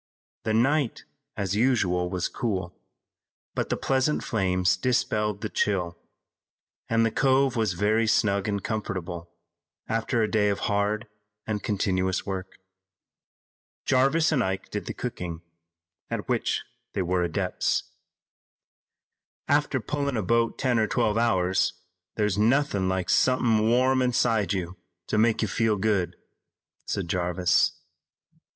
The night, as usual, was cool, but the pleasant flames dispelled the chill, and the cove was very snug and comfortable after a day of hard and continuous work. Jarvis and Ike did the cooking, at which they were adepts. "After pullin' a boat ten or twelve hours there's nothin' like somethin' warm inside you to make you feel good," said Jarvis.